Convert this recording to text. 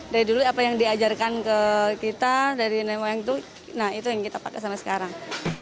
dari dulu apa yang diajarkan ke kita dari nenek moyang itu nah itu yang kita pakai sampai sekarang